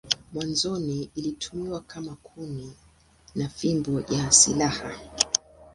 Mwanzoni ilitumiwa kama kuni na fimbo ya silaha.